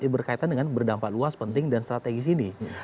berkaitan dengan berdampak luas penting dan strategis ini